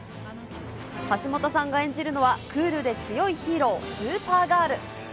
橋本さんが演じるのは、クールで強いヒーロー、スーパーガール。